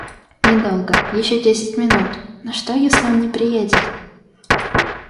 Недолго, еще десять минут... Но что, если он не приедет?